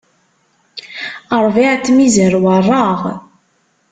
Ṛbiɛ n tmizar weṛṛaɣ.